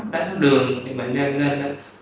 đá thuốc đường thì bệnh nhân nên